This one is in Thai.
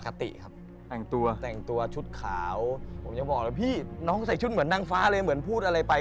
อเดจมปกติครับแต่งตัวชุดขาวน้องใส่ชุดเหมือนนางฟ้าเลยเหมือนพูดอะไรไป